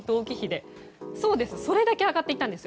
それだけ上がっていたんです。